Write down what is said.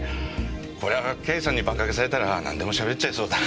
こりゃ刑事さんにバンカケされたらなんでもしゃべっちゃいそうだ。